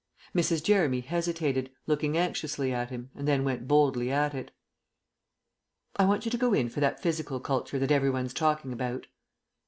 Mrs. Jeremy hesitated, looked anxiously at him, and then went boldly at it. "I want you to go in for that physical culture that everyone's talking about."